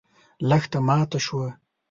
لښته ماته شوه.